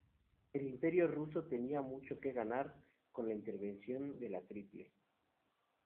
El Imperio ruso tenía mucho que ganar con la intervención de la triple.